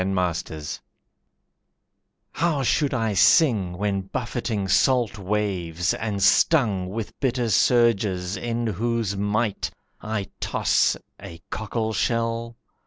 Storm Racked How should I sing when buffeting salt waves And stung with bitter surges, in whose might I toss, a cockleshell?